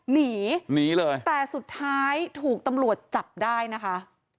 หนีหนีเลยแต่สุดท้ายถูกตำรวจจับได้นะคะ